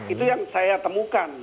itu yang saya temukan